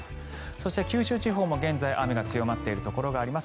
そして九州地方も現在雨が強まっているところがあります。